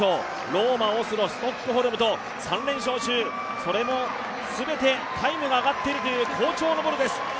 ローマ、オスロ、ストックホルムと３連勝中、それも全てタイムが上がっているという好調のボルです。